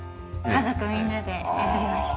家族みんなで選びました。